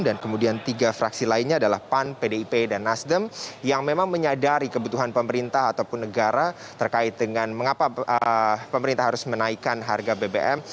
dan kemudian tiga fraksi lainnya adalah pan pdip dan nasdem yang memang menyadari kebutuhan pemerintah ataupun negara terkait dengan mengapa pemerintah harus menaikkan harga bbm